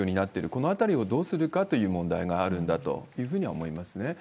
このあたりをどうするかという問題はあるんだというふうには思いますね。